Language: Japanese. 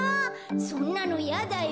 そんなのやだよ。